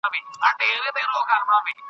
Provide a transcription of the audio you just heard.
قاتلان به گرځي سرې سترگي په ښار كي .